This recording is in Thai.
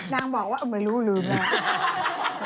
นางบอกว่าไม่รู้ลืมแล้ว